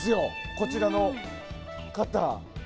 こちらの方。